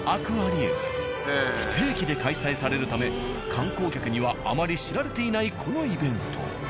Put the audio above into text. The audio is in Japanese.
不定期で開催されるため観光客にはあまり知られていないこのイベント。